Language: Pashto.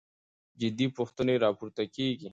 جدي پوښتنې راپورته کېږي.